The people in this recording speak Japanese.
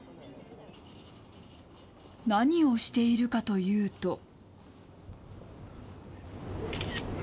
何をしているかというと。